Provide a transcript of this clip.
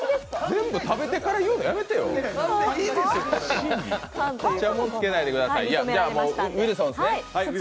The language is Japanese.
全部、食べてから言うのやめてよ。審議？